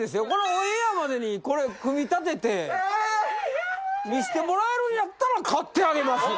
オンエアまでにこれ組み立てて見せてもらえるんやったら買ってあげますよ。